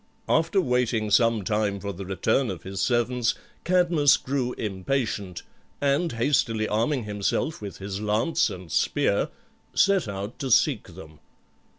After waiting some time for the return of his servants Cadmus grew impatient, and hastily arming himself with his lance and spear, set out to seek them.